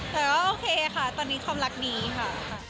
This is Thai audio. แต่ก็โอเคค่ะตอนนี้ความรักดีค่ะ